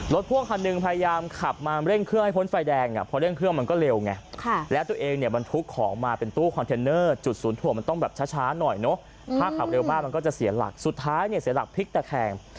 พ่วงคันหนึ่งพยายามขับมาเร่งเครื่องให้พ้นไฟแดงอ่ะพอเร่งเครื่องมันก็เร็วไงแล้วตัวเองเนี่ยบรรทุกของมาเป็นตู้คอนเทนเนอร์จุดศูนย์ถ่วงมันต้องแบบช้าหน่อยเนอะถ้าขับเร็วมากมันก็จะเสียหลักสุดท้ายเนี่ยเสียหลักพลิกตะแคง